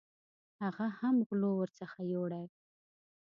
هغه هم غلو ورڅخه یوړې.